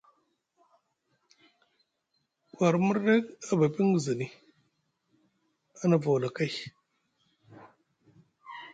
War murdek a ba epingezani, a nava wala kay.